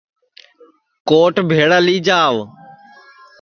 کوٹ بھیݪا لی جاو